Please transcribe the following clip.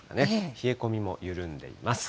冷え込みも緩んでいます。